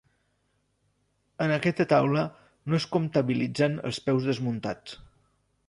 En aquesta taula no es comptabilitzen els peus desmuntats.